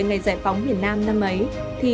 ngày giải phóng miền nam năm ấy thì